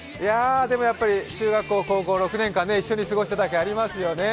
中学校、高校、一緒に６年間過ごしただけありますよね。